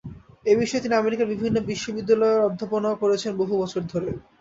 এ বিষয়ে তিনি আমেরিকার বিভিন্ন বিশ্ববিদ্যালয়ে অধ্যাপনাও করছেন বহু বছর ধরে।